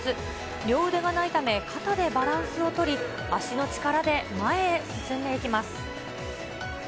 両腕がないため、肩でバランスを取り、足の力で前へ進んでいきます。